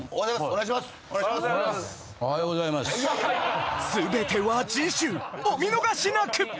お見逃しなく！